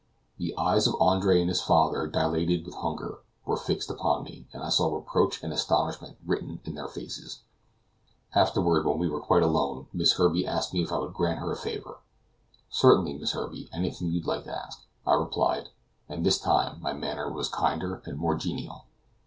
The eyes of Andre and his father, dilated with hunger, were fixed upon me, and I saw reproach and astonishment written in their faces. Afterward, when we were quite alone, Miss Herbey asked me if I would grant her a favor. "Certainly, Miss Herbey; anything you like to ask," I replied; and this time my manner was kinder and more genial.